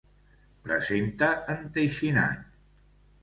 Presenta enteixinat.